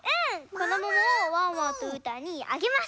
このモモをワンワンとうーたんにあげます。